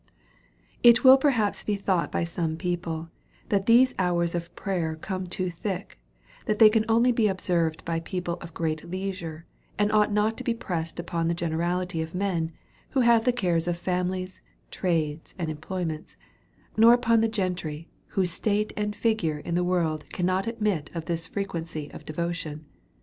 IT will perhaps be thought by some people, that these hours of prayer come too thick ; that they can only be observed by people of great leisure, and ought not to be pressed upon the generality of men, who have the cares of families, trades, and employments ; nor upon the gentry, whoso state and figure in the world cannot admit of this frequency of devotion.